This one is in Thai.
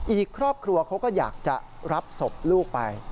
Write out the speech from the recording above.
อีกครอบครัวเขาก็อยากจะรับศพลูกไป